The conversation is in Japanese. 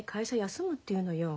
休むって言うのよ。